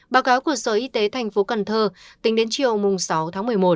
báo cáo của sở y tế thành phố cần thơ tính đến chiều sáu tháng một mươi một